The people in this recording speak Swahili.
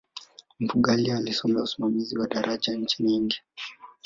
mfugale alisomea usimamizi wa madaraja nchini india